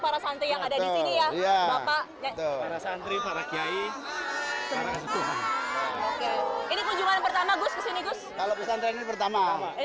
para santri yang ada di sini ya bapak santri para kiai ini kunjungan pertama gus kesini gus pertama